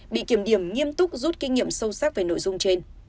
bị kiểm điểm nghiêm túc rút kinh nghiệm sâu sắc về nội dung trên